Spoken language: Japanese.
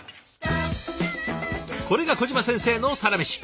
これが小島先生のサラメシ。